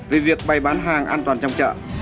về việc bày bán hàng an toàn trong chợ